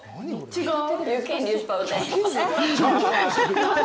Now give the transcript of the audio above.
違う？